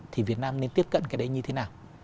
thì việt nam nên tiếp cận cái đấy như thế nào